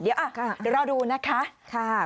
เดี๋ยวรอดูนะคะ